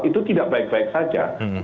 itu tidak baik baik saja